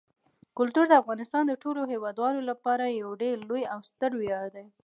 کلتور د افغانستان د ټولو هیوادوالو لپاره یو ډېر لوی او ستر ویاړ دی.